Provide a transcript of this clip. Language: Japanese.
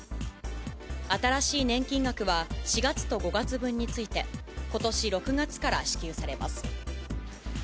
新しい年金額は、４月と５月分について、ことし６月から支給されます。